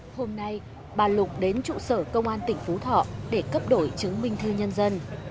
hôm nay bà lục đến trụ sở công an tỉnh phú thọ để cấp đổi chứng minh thư nhân dân